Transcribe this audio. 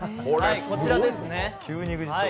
こちらですね。